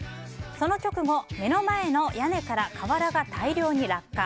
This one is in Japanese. その直後、目の前の屋根から瓦が大量に落下。